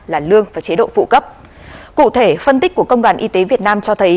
là lương và chế độ phụ cấp cụ thể phân tích của công đoàn y tế việt nam cho thấy